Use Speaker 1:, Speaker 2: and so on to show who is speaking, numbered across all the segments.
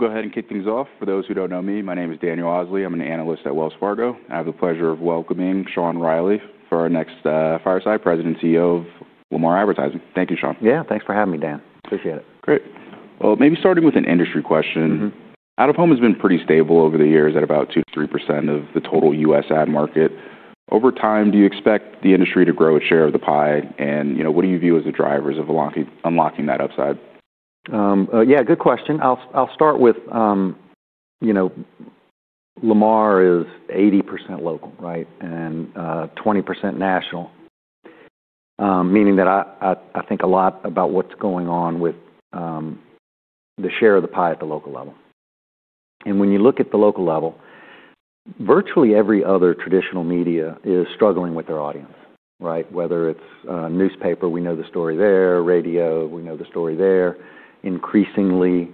Speaker 1: Great. We'll go ahead and kick things off. For those who don't know me, my name is Daniel Osley. I'm an analyst at Wells Fargo. I have the pleasure of welcoming Sean Reilly for our next fireside. President and CEO of Lamar Advertising. Thank you, Sean.
Speaker 2: Yeah. Thanks for having me, Dan. Appreciate it.
Speaker 1: Great. Maybe starting with an industry question. Out-of-home has been pretty stable over the years at about 2%-3% of the total US ad market. Over time, do you expect the industry to grow its share of the pie? What do you view as the drivers of unlocking that upside?
Speaker 2: Yeah. Good question. I'll start with Lamar is 80% local, right, and 20% national, meaning that I think a lot about what's going on with the share of the pie at the local level. When you look at the local level, virtually every other traditional media is struggling with their audience, right? Whether it's newspaper, we know the story there; radio, we know the story there. Increasingly,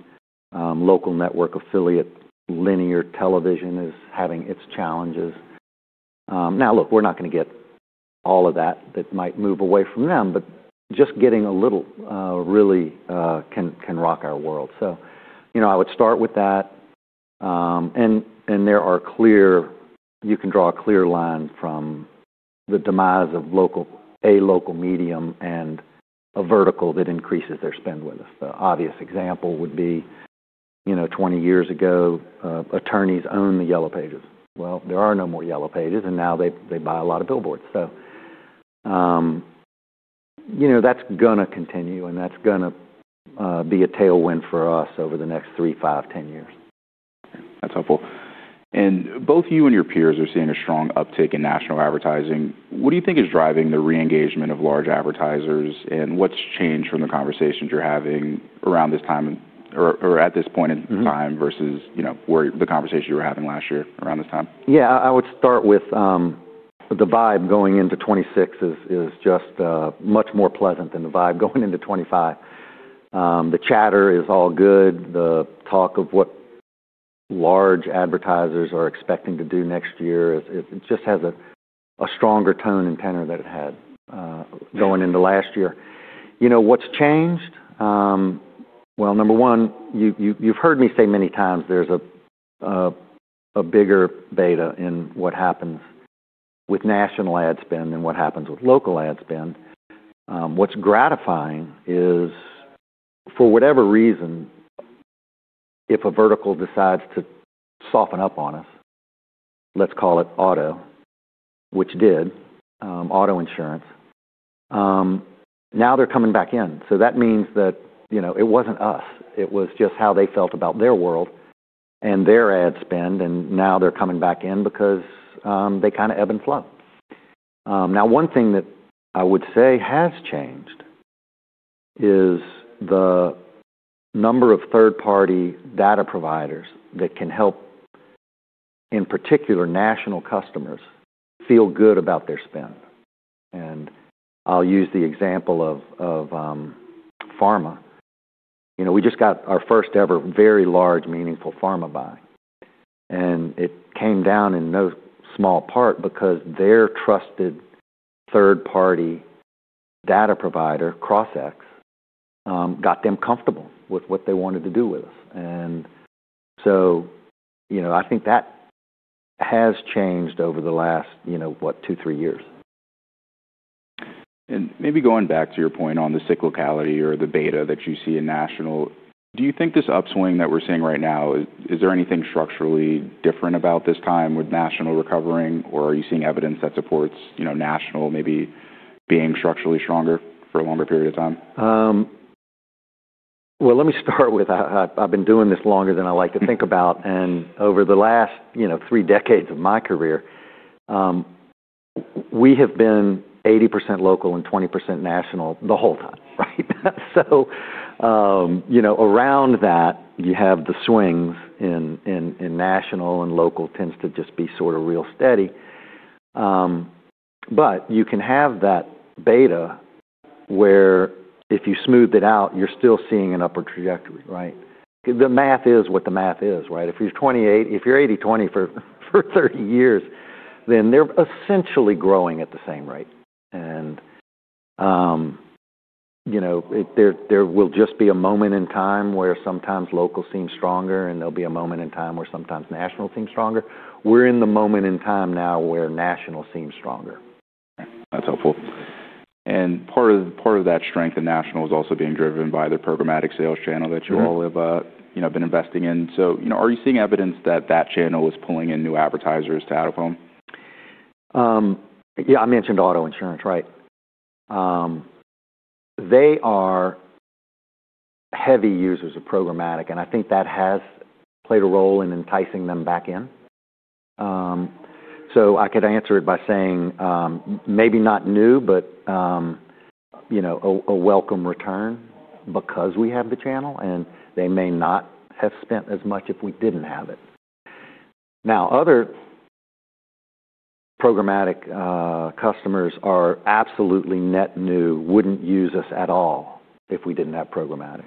Speaker 2: local network affiliate linear television is having its challenges. Now, look, we're not going to get all of that that might move away from them, but just getting a little really can rock our world. I would start with that. There are clear—you can draw a clear line from the demise of a local medium and a vertical that increases their spend with us. The obvious example would be, 20 years ago, attorneys owned the Yellow Pages. There are no more Yellow Pages, and now they buy a lot of billboards. That is going to continue, and that is going to be a tailwind for us over the next 3, 5, 10 years.
Speaker 1: That's helpful. Both you and your peers are seeing a strong uptick in national advertising. What do you think is driving the re-engagement of large advertisers, and what's changed from the conversations you're having around this time or at this point in time versus the conversation you were having last year around this time?
Speaker 2: Yeah. I would start with the vibe going into 2026 is just much more pleasant than the vibe going into 2025. The chatter is all good. The talk of what large advertisers are expecting to do next year, it just has a stronger tone and tenor than it had going into last year. What's changed? Number one, you've heard me say many times there's a bigger Beta in what happens with national ad spend than what happens with local ad spend. What's gratifying is, for whatever reason, if a vertical decides to soften up on us, let's call it auto, which did, auto insurance, now they're coming back in. That means that it wasn't us. It was just how they felt about their world and their ad spend, and now they're coming back in because they kind of ebb and flow. Now, one thing that I would say has changed is the number of third-party data providers that can help, in particular, national customers feel good about their spend. I'll use the example of pharma. We just got our first-ever very large, meaningful pharma buy, and it came down in no small part because their trusted third-party data provider, CrossX, got them comfortable with what they wanted to do with us. I think that has changed over the last, what, two, three years.
Speaker 1: Maybe going back to your point on the cyclicality or the Beta that you see in national, do you think this upswing that we're seeing right now, is there anything structurally different about this time with national recovering, or are you seeing evidence that supports national maybe being structurally stronger for a longer period of time?
Speaker 2: I have been doing this longer than I like to think about. And over the last three decades of my career, we have been 80% local and 20% national the whole time, right? So around that, you have the swings in national, and local tends to just be sort of real steady. But you can have that beta where if you smooth it out, you're still seeing an upward trajectory, right? The math is what the math is, right? If you're 80/20 for 30 years, then they're essentially growing at the same rate. And there will just be a moment in time where sometimes local seems stronger, and there will be a moment in time where sometimes national seems stronger. We're in the moment in time now where national seems stronger.
Speaker 1: That's helpful. Part of that strength in national is also being driven by the programmatic sales channel that you all have been investing in. Are you seeing evidence that that channel is pulling in new advertisers to out-of-home?
Speaker 2: Yeah. I mentioned auto insurance, right? They are heavy users of programmatic, and I think that has played a role in enticing them back in. I could answer it by saying maybe not new, but a welcome return because we have the channel, and they may not have spent as much if we did not have it. Now, other programmatic customers are absolutely net new, would not use us at all if we did not have programmatic.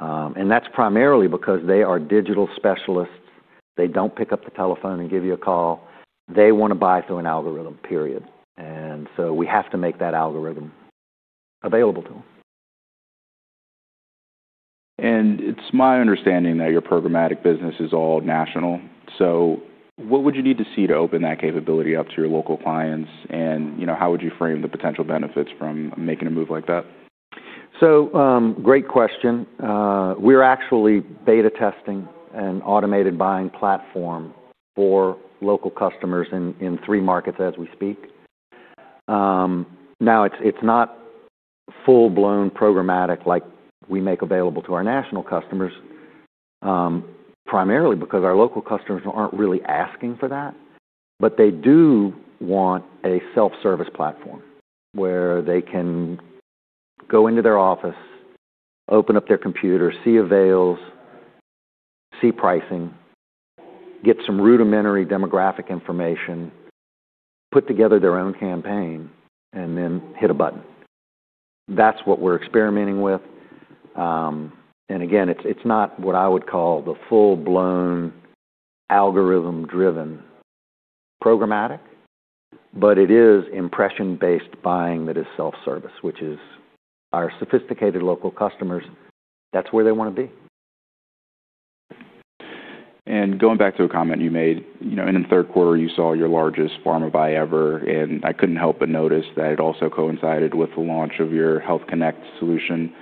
Speaker 2: That is primarily because they are digital specialists. They do not pick up the telephone and give you a call. They want to buy through an algorithm, period. We have to make that algorithm available to them.
Speaker 1: It is my understanding that your programmatic business is all national. What would you need to see to open that capability up to your local clients, and how would you frame the potential benefits from making a move like that?
Speaker 2: Great question. We're actually Beta-testing an automated buying platform for local customers in three markets as we speak. Now, it's not full-blown programmatic like we make available to our national customers, primarily because our local customers aren't really asking for that, but they do want a self-service platform where they can go into their office, open up their computer, see avails, see pricing, get some rudimentary demographic information, put together their own campaign, and then hit a button. That's what we're experimenting with. Again, it's not what I would call the full-blown algorithm-driven programmatic, but it is impression-based buying that is self-service, which is our sophisticated local customers. That's where they want to be.
Speaker 1: Going back to a comment you made, in the third quarter, you saw your largest pharma buy ever, and I couldn't help but notice that it also coincided with the launch of your Health Connect solution.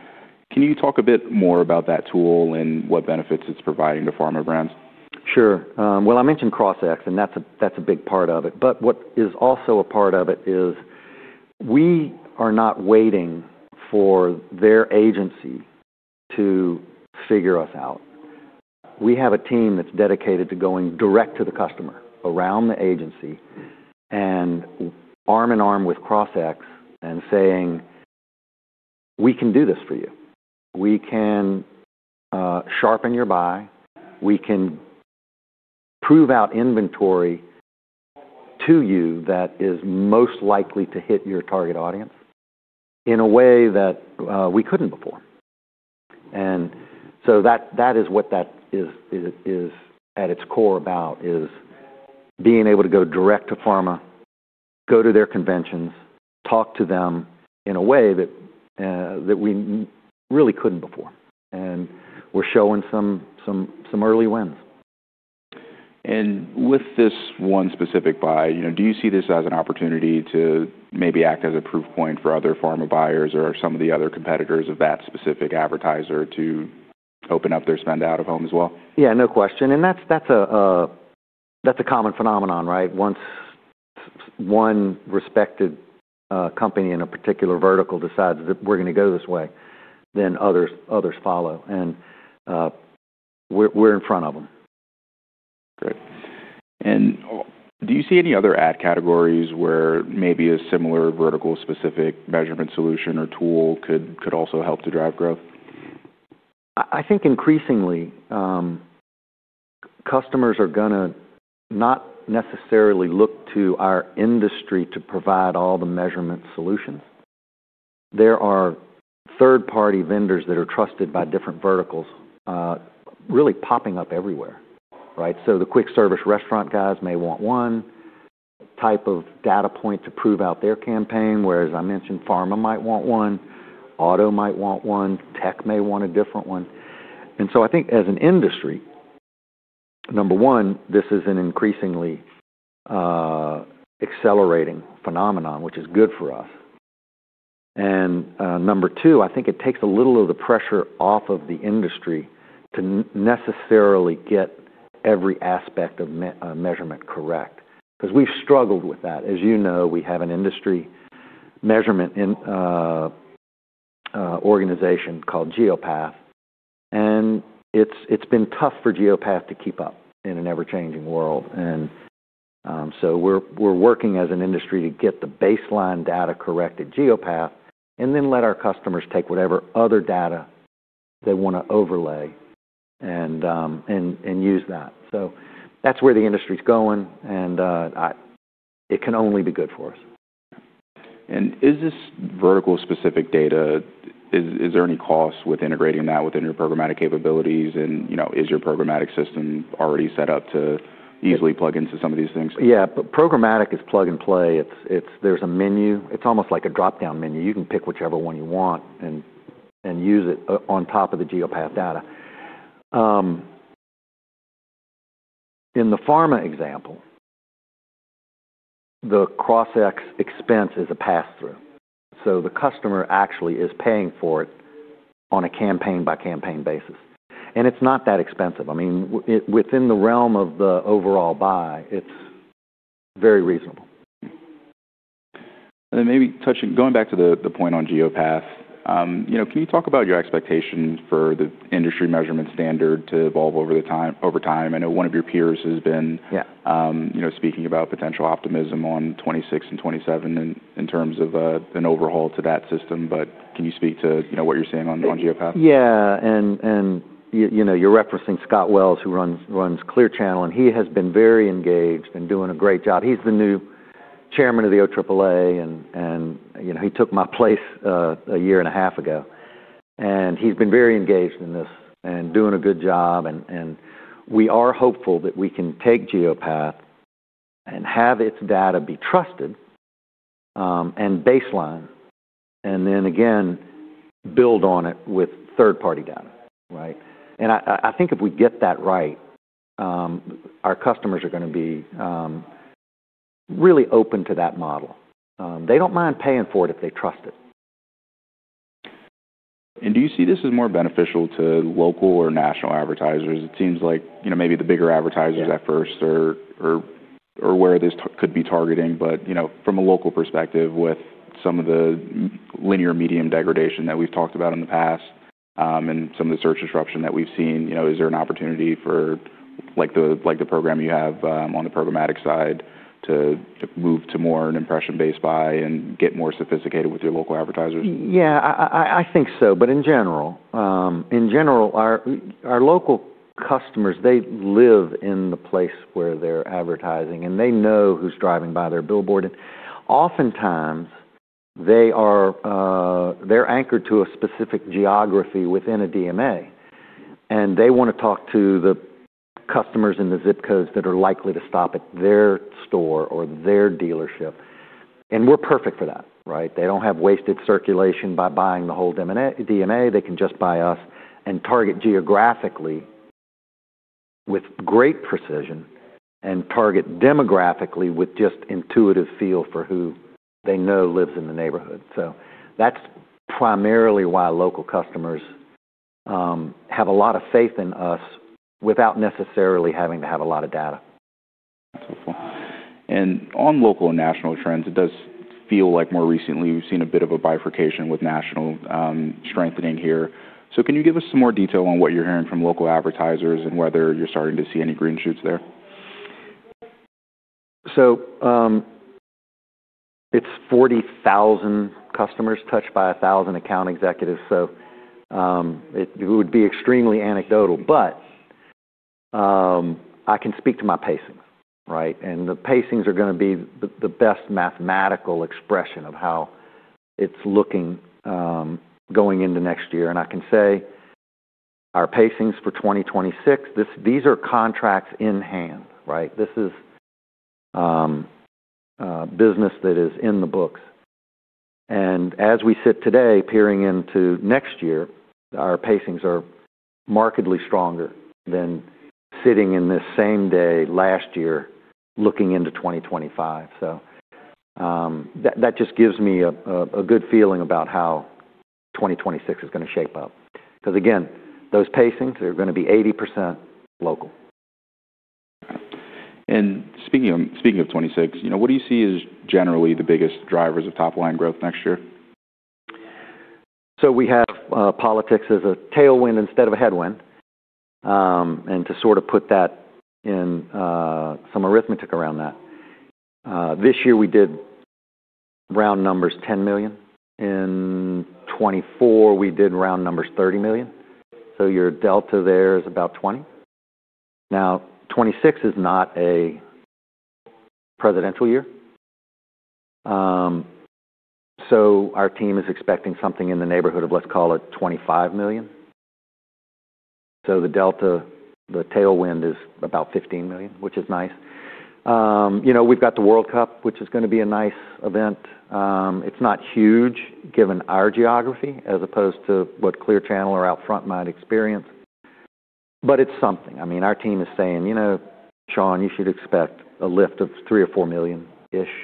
Speaker 1: Can you talk a bit more about that tool and what benefits it's providing to pharma brands?
Speaker 2: Sure. I mentioned CrossX, and that's a big part of it. What is also a part of it is we are not waiting for their agency to figure us out. We have a team that's dedicated to going direct to the customer around the agency and arm in arm with CrossX and saying, "We can do this for you. We can sharpen your buy. We can prove out inventory to you that is most likely to hit your target audience in a way that we couldn't before." That is what that is at its core about, is being able to go direct to pharma, go to their conventions, talk to them in a way that we really couldn't before. We're showing some early wins.
Speaker 1: With this one specific buy, do you see this as an opportunity to maybe act as a proof point for other pharma buyers or some of the other competitors of that specific advertiser to open up their spend out-of-home as well?
Speaker 2: Yeah. No question. That's a common phenomenon, right? Once one respected company in a particular vertical decides that we're going to go this way, then others follow. We're in front of them.
Speaker 1: Great. Do you see any other ad categories where maybe a similar vertical-specific measurement solution or tool could also help to drive growth?
Speaker 2: I think increasingly, customers are going to not necessarily look to our industry to provide all the measurement solutions. There are third-party vendors that are trusted by different verticals really popping up everywhere, right? The quick service restaurant guys may want one type of data point to prove out their campaign, whereas I mentioned pharma might want one, auto might want one, tech may want a different one. I think as an industry, number one, this is an increasingly accelerating phenomenon, which is good for us. Number two, I think it takes a little of the pressure off of the industry to necessarily get every aspect of measurement correct because we've struggled with that. As you know, we have an industry measurement organization called Geopath, and it's been tough for Geopath to keep up in an ever-changing world. We are working as an industry to get the baseline data correct at Geopath and then let our customers take whatever other data they want to overlay and use that. That is where the industry's going, and it can only be good for us.
Speaker 1: Is this vertical-specific data, is there any cost with integrating that within your programmatic capabilities, and is your programmatic system already set up to easily plug into some of these things?
Speaker 2: Yeah. Programmatic is plug and play. There is a menu. It is almost like a drop-down menu. You can pick whichever one you want and use it on top of the Geopath data. In the pharma example, the CrossX expense is a pass-through. The customer actually is paying for it on a campaign-by-campaign basis. It is not that expensive. I mean, within the realm of the overall buy, it is very reasonable.
Speaker 1: Maybe going back to the point on Geopath, can you talk about your expectations for the industry measurement standard to evolve over time? I know one of your peers has been speaking about potential optimism on 2026 and 2027 in terms of an overhaul to that system, but can you speak to what you're seeing on Geopath?
Speaker 2: Yeah. You're referencing Scott Wells, who runs Clear Channel, and he has been very engaged and doing a great job. He's the new chairman of the OAAA, and he took my place a year and a half ago. He's been very engaged in this and doing a good job. We are hopeful that we can take Geopath and have its data be trusted and baseline, and then again, build on it with third-party data, right? I think if we get that right, our customers are going to be really open to that model. They don't mind paying for it if they trust it.
Speaker 1: Do you see this as more beneficial to local or national advertisers? It seems like maybe the bigger advertisers at first are where this could be targeting. From a local perspective, with some of the linear medium degradation that we've talked about in the past and some of the search disruption that we've seen, is there an opportunity for the program you have on the programmatic side to move to more an impression-based buy and get more sophisticated with your local advertisers?
Speaker 2: Yeah. I think so. In general, our local customers, they live in the place where they're advertising, and they know who's driving by their billboard. Oftentimes, they're anchored to a specific geography within a DMA, and they want to talk to the customers in the zip codes that are likely to stop at their store or their dealership. We're perfect for that, right? They don't have wasted circulation by buying the whole DMA. They can just buy us and target geographically with great precision and target demographically with just intuitive feel for who they know lives in the neighborhood. That's primarily why local customers have a lot of faith in us without necessarily having to have a lot of data.
Speaker 1: That's helpful. On local and national trends, it does feel like more recently we've seen a bit of a bifurcation with national strengthening here. Can you give us some more detail on what you're hearing from local advertisers and whether you're starting to see any green shoots there?
Speaker 2: It is 40,000 customers touched by 1,000 account executives. It would be extremely anecdotal, but I can speak to my pacings, right? The pacings are going to be the best mathematical expression of how it is looking going into next year. I can say our pacings for 2026, these are contracts in hand, right? This is business that is in the books. As we sit today, peering into next year, our pacings are markedly stronger than sitting in this same day last year looking into 2025. That just gives me a good feeling about how 2026 is going to shape up. Because again, those pacings, they are going to be 80% local.
Speaker 1: Speaking of 2026, what do you see as generally the biggest drivers of top-line growth next year?
Speaker 2: We have politics as a tailwind instead of a headwind. To sort of put that in some arithmetic around that, this year we did, round numbers, $10 million. In 2024, we did, round numbers, $30 million. Your delta there is about $20 million. Now, 2026 is not a presidential year. Our team is expecting something in the neighborhood of, let's call it, $25 million. The delta, the tailwind, is about $15 million, which is nice. We have the World Cup, which is going to be a nice event. It is not huge given our geography as opposed to what Clear Channel or Outfront might experience, but it is something. I mean, our team is saying, "Sean, you should expect a lift of $3 million-$4 million-ish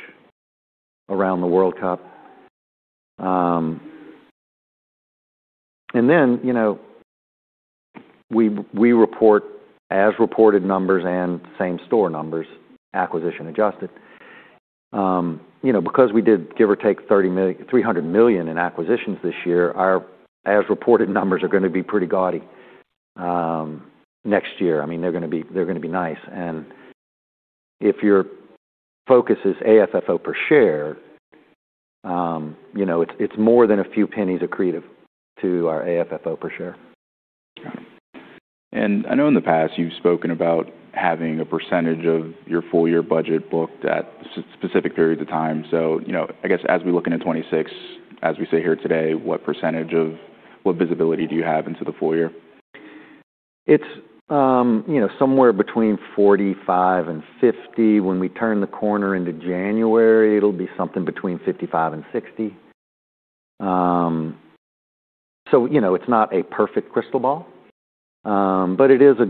Speaker 2: around the World Cup." We report as-reported numbers and same-store numbers, acquisition adjusted. Because we did, give or take, $300 million in acquisitions this year, our as-reported numbers are going to be pretty gaudy next year. I mean, they're going to be nice. If your focus is AFFO per share, it's more than a few pennies of creative to our AFFO per share.
Speaker 1: Got it. I know in the past you've spoken about having a percentage of your full-year budget booked at specific periods of time. I guess as we look into 2026, as we sit here today, what visibility do you have into the full year?
Speaker 2: It's somewhere between 45 and 50. When we turn the corner into January, it'll be something between 55 and 60. It's not a perfect crystal ball, but it's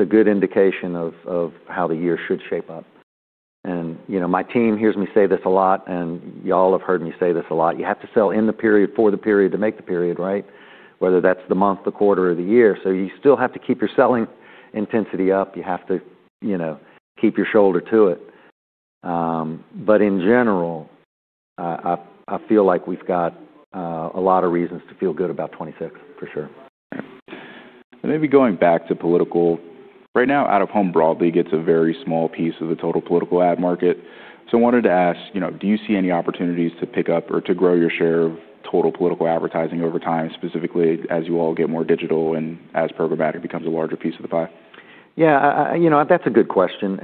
Speaker 2: a good indication of how the year should shape up. My team hears me say this a lot, and y'all have heard me say this a lot. You have to sell in the period for the period to make the period, right? Whether that's the month, the quarter, or the year. You still have to keep your selling intensity up. You have to keep your shoulder to it. In general, I feel like we've got a lot of reasons to feel good about 2026, for sure.
Speaker 1: Maybe going back to political, right now, out-of-home broadly gets a very small piece of the total political ad market. I wanted to ask, do you see any opportunities to pick up or to grow your share of total political advertising over time, specifically as you all get more digital and as programmatic becomes a larger piece of the pie?
Speaker 2: Yeah. That's a good question.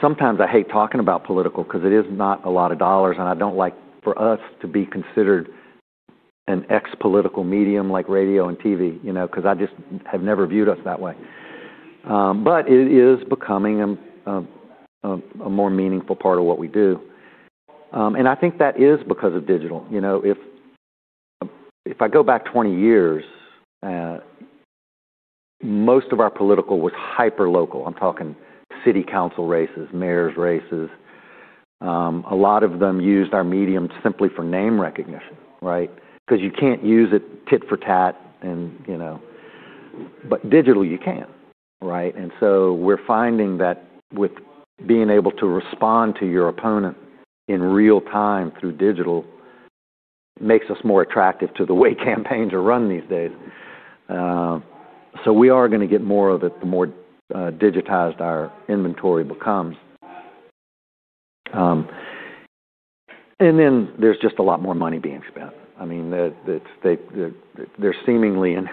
Speaker 2: Sometimes I hate talking about political because it is not a lot of dollars, and I don't like for us to be considered an ex-political medium like radio and TV because I just have never viewed us that way. It is becoming a more meaningful part of what we do. I think that is because of digital. If I go back 20 years, most of our political was hyper-local. I'm talking city council races, mayor's races. A lot of them used our medium simply for name recognition, right? Because you can't use it tit for tat, but digitally, you can, right? We're finding that with being able to respond to your opponent in real time through digital makes us more attractive to the way campaigns are run these days. We are going to get more of it the more digitized our inventory becomes. There is just a lot more money being spent. I mean, there is seemingly an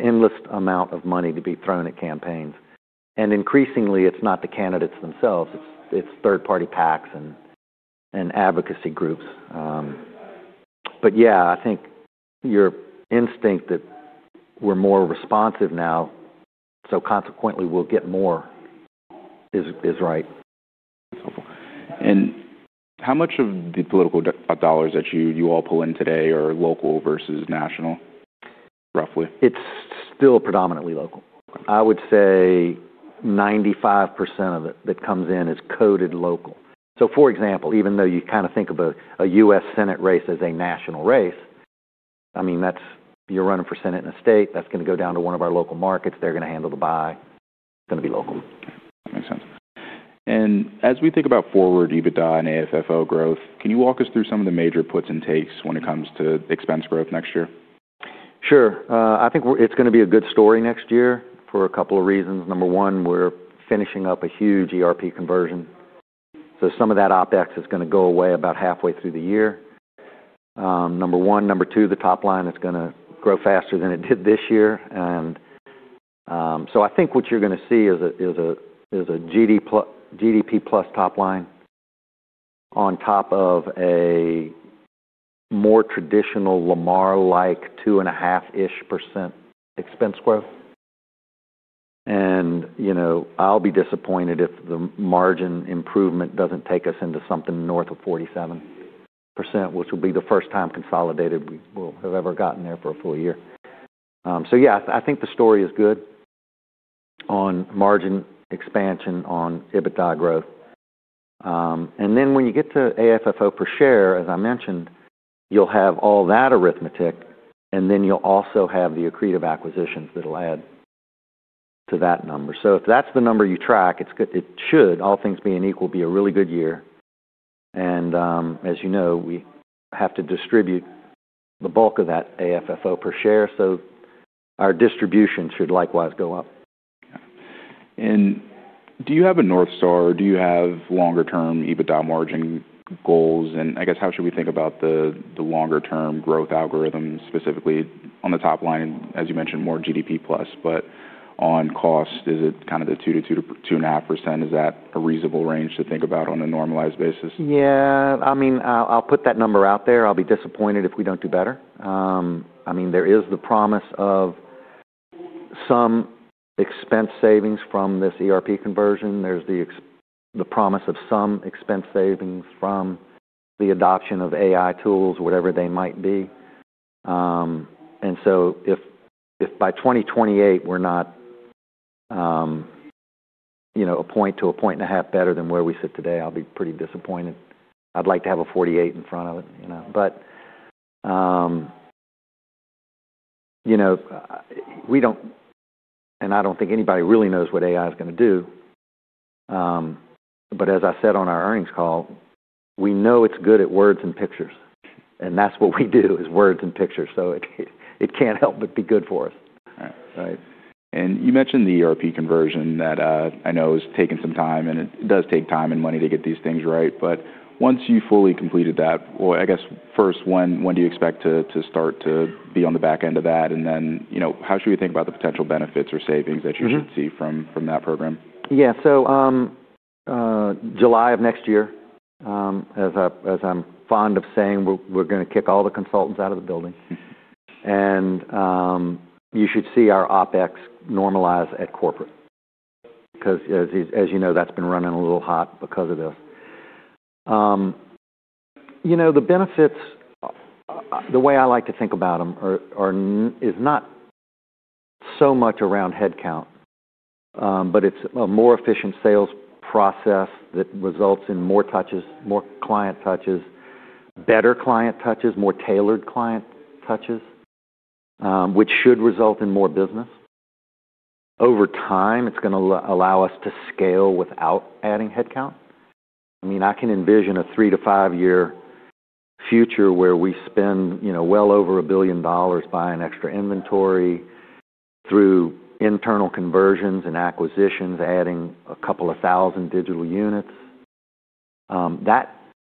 Speaker 2: endless amount of money to be thrown at campaigns. Increasingly, it is not the candidates themselves. It is third-party PACs and advocacy groups. Yeah, I think your instinct that we are more responsive now, so consequently, we will get more is right.
Speaker 1: That's helpful. How much of the political dollars that you all pull in today are local versus national, roughly?
Speaker 2: It's still predominantly local. I would say 95% of it that comes in is coded local. For example, even though you kind of think of a U.S. Senate race as a national race, I mean, you're running for Senate in a state. That's going to go down to one of our local markets. They're going to handle the buy. It's going to be local.
Speaker 1: Okay. That makes sense. As we think about forward EBITDA and AFFO growth, can you walk us through some of the major puts and takes when it comes to expense growth next year?
Speaker 2: Sure. I think it's going to be a good story next year for a couple of reasons. Number one, we're finishing up a huge ERP conversion. Some of that OPEX is going to go away about halfway through the year. Number one. Number two, the top line is going to grow faster than it did this year. I think what you're going to see is a GDP+ top line on top of a more traditional Lamar-like 2.5% expense growth. I'll be disappointed if the margin improvement doesn't take us into something North of 47%, which will be the first time consolidated we'll have ever gotten there for a full year. I think the story is good on margin expansion on EBITDA growth. When you get to AFFO per share, as I mentioned, you'll have all that arithmetic, and then you'll also have the accretive acquisitions that will add to that number. If that's the number you track, it should, all things being equal, be a really good year. As you know, we have to distribute the bulk of that AFFO per share, so our distribution should likewise go up.
Speaker 1: Yeah. Do you have a North Star? Do you have longer-term EBITDA margin goals? I guess how should we think about the longer-term growth algorithm, specifically on the top line? As you mentioned, more GDP+, but on cost, is it kind of the 2%-2.5%? Is that a reasonable range to think about on a normalized basis?
Speaker 2: Yeah. I mean, I'll put that number out there. I'll be disappointed if we don't do better. I mean, there is the promise of some expense savings from this ERP conversion. There's the promise of some expense savings from the adoption of AI tools, whatever they might be. If by 2028, we're not a point to a point and a half better than where we sit today, I'll be pretty disappointed. I'd like to have a 48 in front of it. We don't, and I don't think anybody really knows what AI is going to do. As I said on our earnings call, we know it's good at words and pictures. That's what we do, is words and pictures. It can't help but be good for us, right?
Speaker 1: You mentioned the ERP conversion that I know has taken some time, and it does take time and money to get these things right. Once you've fully completed that, I guess first, when do you expect to start to be on the back end of that? How should we think about the potential benefits or savings that you should see from that program?
Speaker 2: Yeah. July of next year, as I'm fond of saying, we're going to kick all the consultants out of the building. You should see our OpEx normalize at corporate because, as you know, that's been running a little hot because of this. The benefits, the way I like to think about them, is not so much around headcount, but it's a more efficient sales process that results in more client touches, better client touches, more tailored client touches, which should result in more business. Over time, it's going to allow us to scale without adding headcount. I mean, I can envision a three- to five-year future where we spend well over $1 billion buying extra inventory through internal conversions and acquisitions, adding a couple of thousand digital units. That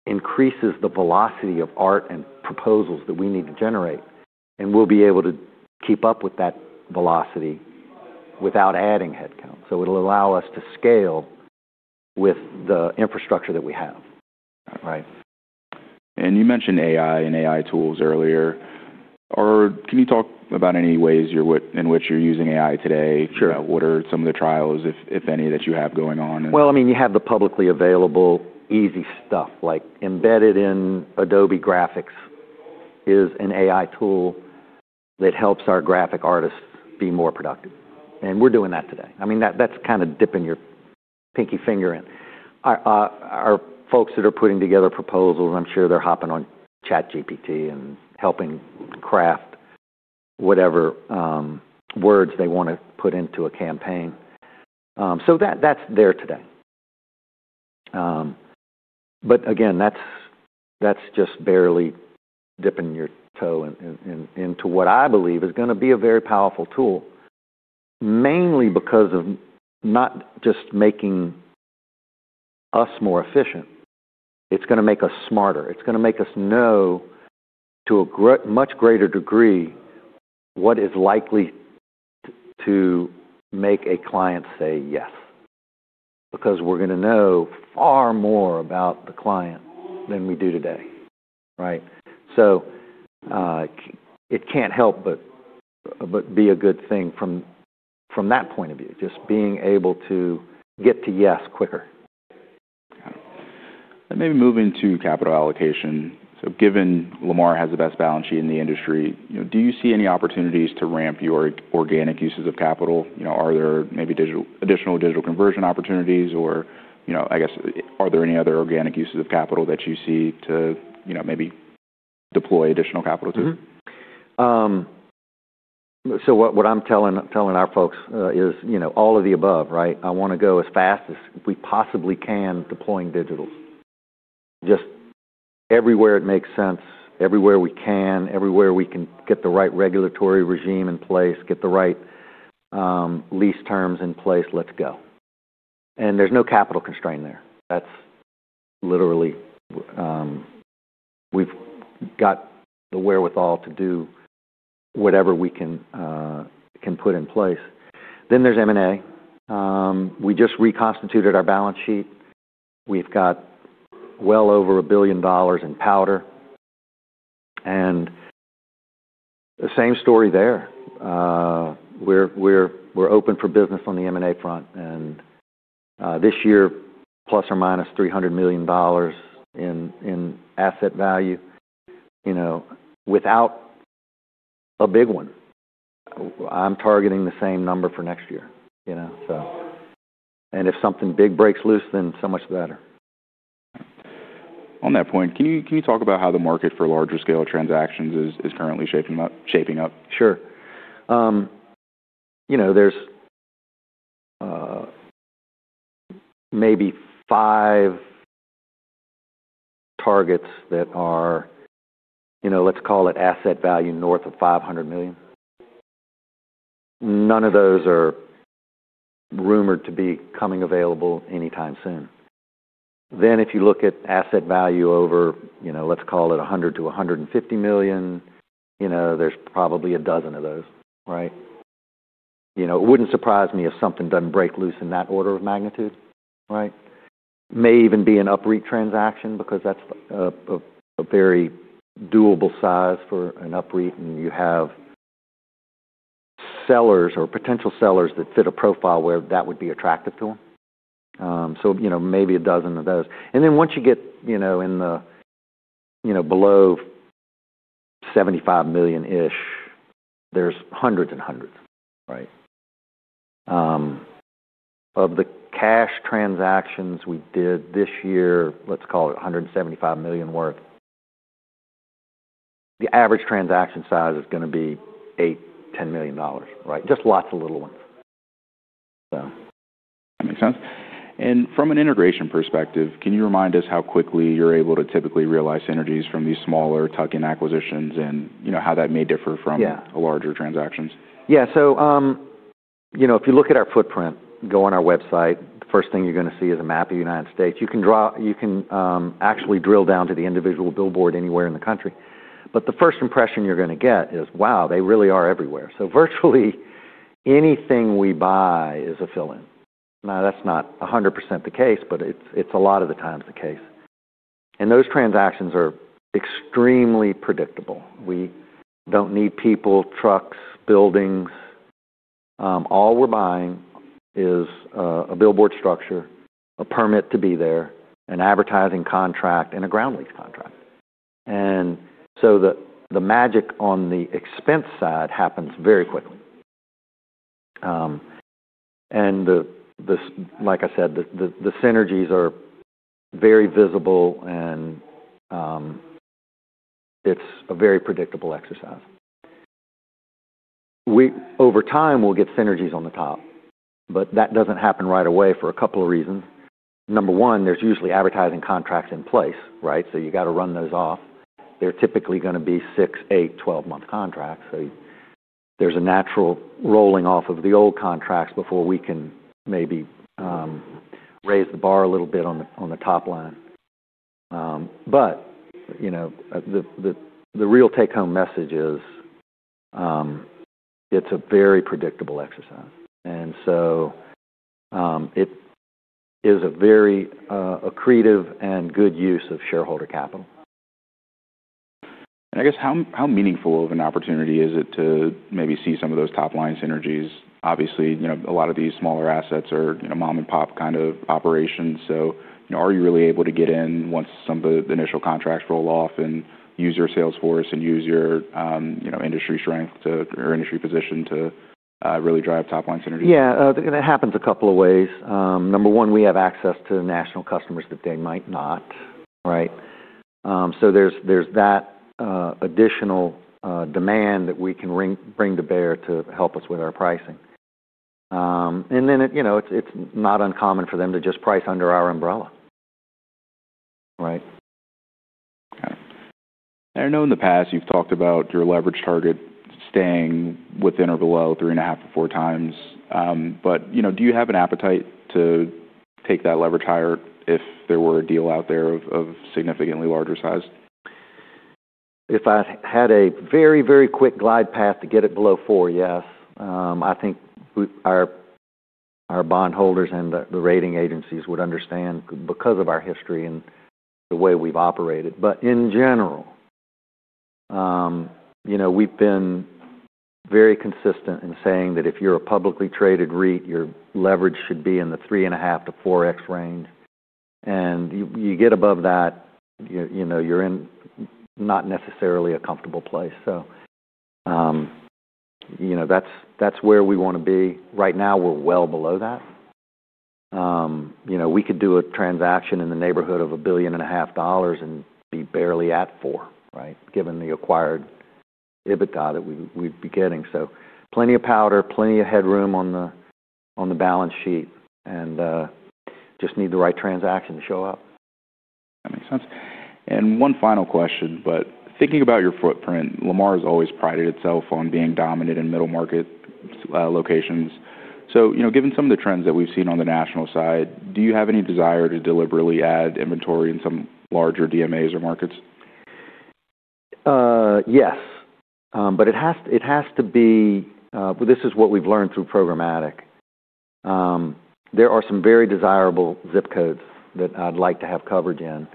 Speaker 2: increases the velocity of art and proposals that we need to generate. We'll be able to keep up with that velocity without adding headcount. It will allow us to scale with the infrastructure that we have, right?
Speaker 1: You mentioned AI and AI tools earlier. Can you talk about any ways in which you're using AI today? What are some of the trials, if any, that you have going on?
Speaker 2: I mean, you have the publicly available easy stuff. Embedded in Adobe Graphics is an AI tool that helps our graphic artists be more productive. And we're doing that today. I mean, that's kind of dipping your pinky finger in. Our folks that are putting together proposals, I'm sure they're hopping on ChatGPT and helping craft whatever words they want to put into a campaign. So that's there today. But again, that's just barely dipping your toe into what I believe is going to be a very powerful tool, mainly because of not just making us more efficient. It's going to make us smarter. It's going to make us know to a much greater degree what is likely to make a client say yes because we're going to know far more about the client than we do today, right? It can't help but be a good thing from that point of view, just being able to get to yes quicker.
Speaker 1: Got it. Maybe moving to capital allocation. Given Lamar has the best balance sheet in the industry, do you see any opportunities to ramp your organic uses of capital? Are there maybe additional digital conversion opportunities? I guess, are there any other organic uses of capital that you see to maybe deploy additional capital to?
Speaker 2: What I'm telling our folks is all of the above, right? I want to go as fast as we possibly can deploying digitals. Just everywhere it makes sense, everywhere we can, everywhere we can get the right regulatory regime in place, get the right lease terms in place, let's go. There's no capital constraint there. We've got the wherewithal to do whatever we can put in place. Then there's M&A. We just reconstituted our balance sheet. We've got well over $1 billion in powder. Same story there. We're open for business on the M&A front. This year, + or -$300 million in asset value. Without a big one, I'm targeting the same number for next year. If something big breaks loose, then so much the better.
Speaker 1: On that point, can you talk about how the market for larger scale transactions is currently shaping up?
Speaker 2: Sure. There's maybe five targets that are, let's call it asset value North of $500 million. None of those are rumored to be coming available anytime soon. If you look at asset value over, let's call it $100-$150 million, there's probably a dozen of those, right? It wouldn't surprise me if something doesn't break loose in that order of magnitude, right? May even be an upreap transaction because that's a very doable size for an upreap, and you have sellers or potential sellers that fit a profile where that would be attractive to them. Maybe a dozen of those. Once you get in the below $75 million-ish, there's hundreds and hundreds, right? Of the cash transactions we did this year, let's call it $175 million worth, the average transaction size is going to be $8-$10 million, right? Just lots of little ones, so.
Speaker 1: That makes sense. From an integration perspective, can you remind us how quickly you're able to typically realize synergies from these smaller tuck-in acquisitions and how that may differ from larger transactions?
Speaker 2: Yeah. If you look at our footprint, go on our website, the first thing you're going to see is a map of the United States. You can actually drill down to the individual billboard anywhere in the country. The first impression you're going to get is, wow, they really are everywhere. Virtually anything we buy is a fill-in. Now, that's not 100% the case, but it's a lot of the times the case. Those transactions are extremely predictable. We don't need people, trucks, buildings. All we're buying is a billboard structure, a permit to be there, an advertising contract, and a ground lease contract. The magic on the expense side happens very quickly. Like I said, the synergies are very visible, and it's a very predictable exercise. Over time, we'll get synergies on the top, but that doesn't happen right away for a couple of reasons. Number one, there's usually advertising contracts in place, right? You got to run those off. They're typically going to be 6-, 8-, 12-month contracts. There's a natural rolling off of the old contracts before we can maybe raise the bar a little bit on the top line. The real take-home message is it's a very predictable exercise. It is a very accretive and good use of shareholder capital.
Speaker 1: I guess, how meaningful of an opportunity is it to maybe see some of those top-line synergies? Obviously, a lot of these smaller assets are mom-and-pop kind of operations. Are you really able to get in once some of the initial contracts roll off and use your sales force and use your industry strength or industry position to really drive top-line synergies?
Speaker 2: Yeah. That happens a couple of ways. Number one, we have access to national customers that they might not, right? There is that additional demand that we can bring to bear to help us with our pricing. It is not uncommon for them to just price under our umbrella, right?
Speaker 1: Got it. I know in the past you've talked about your leverage target staying within or below 3.5-4 times. Do you have an appetite to take that leverage higher if there were a deal out there of significantly larger size?
Speaker 2: If I had a very, very quick glide path to get it below four, yes. I think our bondholders and the rating agencies would understand because of our history and the way we've operated. In general, we've been very consistent in saying that if you're a publicly traded REIT, your leverage should be in the 3.5-4X range. You get above that, you're in not necessarily a comfortable place. That's where we want to be. Right now, we're well below that. We could do a transaction in the neighborhood of $1.5 billion and be barely at four, right, given the acquired EBITDA that we'd be getting. Plenty of powder, plenty of headroom on the balance sheet, and just need the right transaction to show up.
Speaker 1: That makes sense. One final question, thinking about your footprint, Lamar has always prided itself on being dominant in middle market locations. Given some of the trends that we've seen on the national side, do you have any desire to deliberately add inventory in some larger DMAs or markets?
Speaker 2: Yes. It has to be—this is what we've learned through programmatic. There are some very desirable zip codes that I'd like to have coverage in.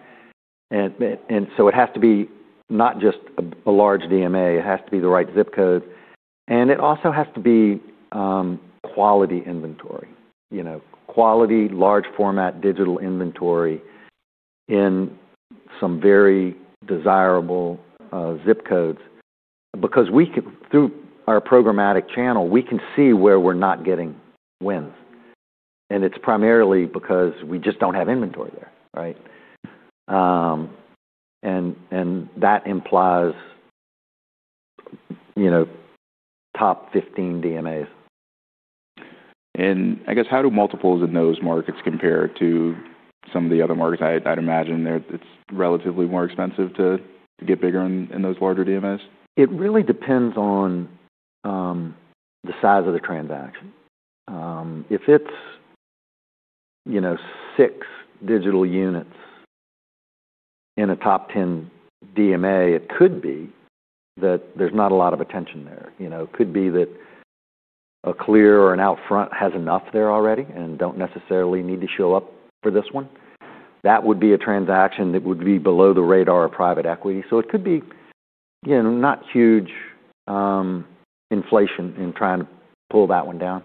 Speaker 2: It has to be not just a large DMA. It has to be the right zip code. It also has to be quality inventory. Quality, large-format digital inventory in some very desirable zip codes. Because through our programmatic channel, we can see where we're not getting wins. It is primarily because we just do not have inventory there, right? That implies top 15 DMAs.
Speaker 1: I guess, how do multiples in those markets compare to some of the other markets? I'd imagine it's relatively more expensive to get bigger in those larger DMAs?
Speaker 2: It really depends on the size of the transaction. If it's six digital units in a top 10 DMA, it could be that there's not a lot of attention there. It could be that a Clear Channel or an Outfront has enough there already and don't necessarily need to show up for this one. That would be a transaction that would be below the radar of private equity. It could be not huge inflation in trying to pull that one down.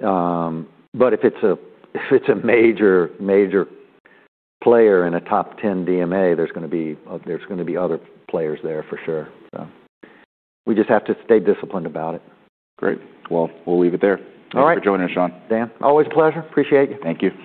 Speaker 2: If it's a major, major player in a top 10 DMA, there's going to be other players there for sure. We just have to stay disciplined about it.
Speaker 1: Great. We'll leave it there. Thanks for joining us, Sean.
Speaker 2: All right. Dan, always a pleasure. Appreciate you.
Speaker 1: Thank you.